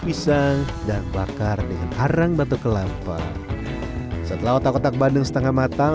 pisang dan bakar dengan arang batu kelapa setelah otak otak bandeng setengah matang